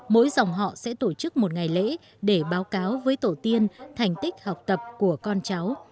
mỗi dòng họ sẽ tổ chức một ngày lễ để báo cáo với tổ tiên thành tích học tập của con cháu